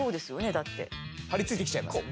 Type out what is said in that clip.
だって張り付いてきちゃいますよね